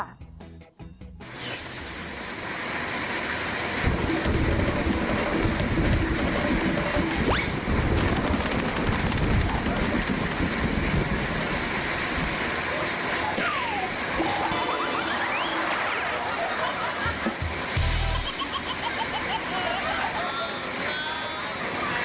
โอ้โฮ